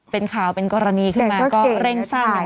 เป็นข่าวเป็นกรณีขึ้นมาก็เร่งสร้าง